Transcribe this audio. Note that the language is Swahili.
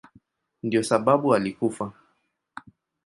Ndiyo sababu alikufa.